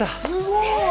すごい！